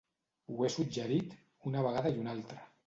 Ho he suggerit una vegada i una altra.